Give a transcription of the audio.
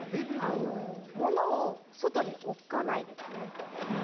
物を外に置かないですね。